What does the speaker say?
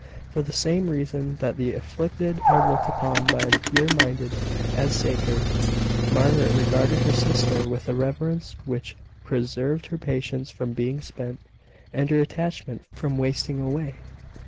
For the same reason that the afflicted are looked upon by the pure minded as sacred, Margaret regarded her sister with a reverence which preserved her patience from being spent, and her attachment from wasting away.